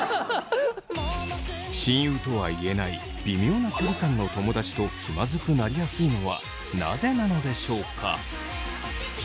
親友とは言えない微妙な距離感の友だちと気まずくなりやすいのはなぜなのでしょうか。